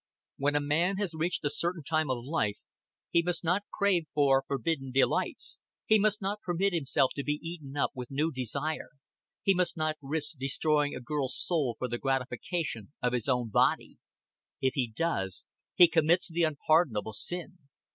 When a man has reached a certain time of life he must not crave for forbidden delights, he must not permit himself to be eaten up with new desire, he must not risk destroying a girl's soul for the gratification of his own body. If he does, he commits the unpardonable sin.